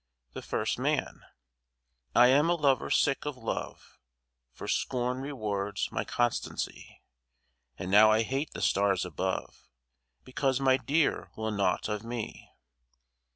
THE FIRST MAN I am a lover sick of love, For scorn rewards my constancy; And now I hate the stars above, Because my dear will naught of me.